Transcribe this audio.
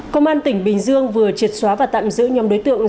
công an tỉnh bình dương vừa triệt xóa và tạm giữ nhóm đối tượng